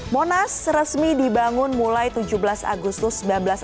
monas resmi dibangun mulai tujuh belas agustus seribu sembilan ratus empat puluh